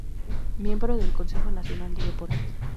Miembro del Consejo Nacional de Deportes.